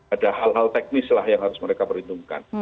ada hal hal teknis lah yang harus mereka perhitungkan